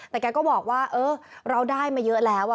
แต่แกก็บอกว่าเออเราได้มาเยอะแล้ว